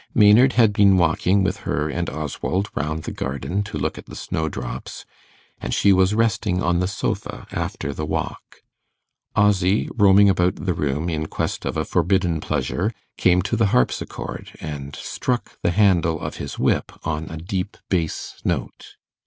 Maynard had been walking with her and Oswald round the garden to look at the snowdrops, and she was resting on the sofa after the walk. Ozzy, roaming about the room in quest of a forbidden pleasure, came to the harpsichord, and struck the handle of his whip on a deep bass note.